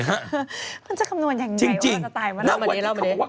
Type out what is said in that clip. มันจะคำนวนอย่างไรว่าจะตายวันอื่นเล่ามานี้จริงนางวันนี้เขาบอกว่า